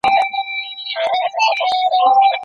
سرحدونه هېوادونه سره جلا کوي.